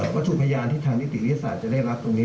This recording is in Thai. วัตถุพยานที่ทางนิติวิทยาศาสตร์จะได้รับตรงนี้